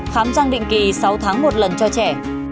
khám trang định kỳ sáu tháng một lần cho trẻ